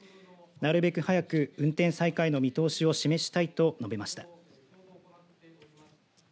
なるべく早く運転再開の見通しを示したいと述べました。